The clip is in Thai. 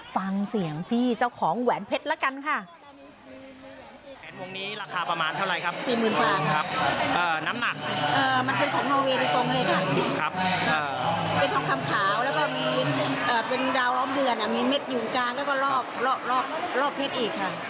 เขาเป็นทองคำขาวและก็มีแดวล้อมเดือนมีเม็ดวิวใจก็ก็รอบรอบรอบรอปฤทธิ์